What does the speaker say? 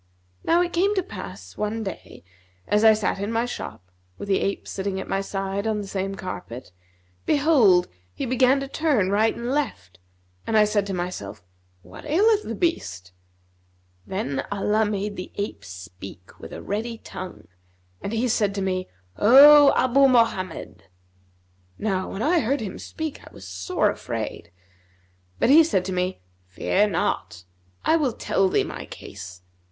Now it came to pass one day, as I sat in my shop, with the ape sitting at my side on the same carpet, behold, he began to turn right and left, and I said to myself, 'What aileth the beast?' Then Allah made the ape speak with a ready tongue, and he said to me, 'O Abu Mohammed!' Now when I heard him speak, I was sore afraid; but he said to me, 'Fear not; I will tell thee my case.